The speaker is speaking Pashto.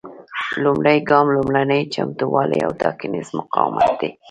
لومړی ګام لومړني چمتووالي او ټاکنیز مقاومت دی.